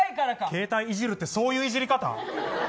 携帯いじるってそういう、いじり方。